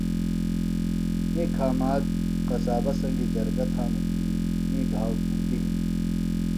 می کھامد قصابہ سنگیۡ جرگہ تھانوۡ کیۡ می گھاوۡ بوڈیۡ ہنیۡ